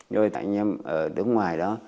nhưng tại anh em ở đứng ngoài đó